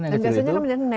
yang kecil itu